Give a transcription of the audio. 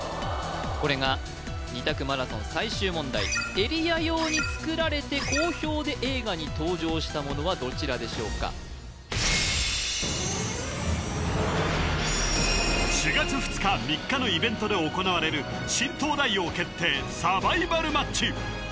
これが２択マラソン最終問題エリア用に作られて好評で映画に登場したものはどちらでしょうか４月２日３日のイベントで行われる新東大王決定サバイバルマッチ